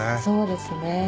そうですね。